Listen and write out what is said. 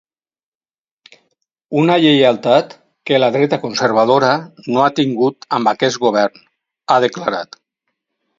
Una lleialtat que la dreta conservadora no ha tingut amb aquest govern, ha declarat.